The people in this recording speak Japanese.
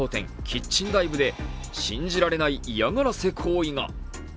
キッチンＤＩＶＥで信じられない嫌がらせ行為が。